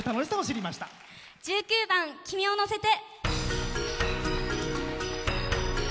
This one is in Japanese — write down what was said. １９番「君をのせて」。